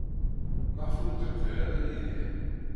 Maɣef ur d-yeqqil ara Yidir?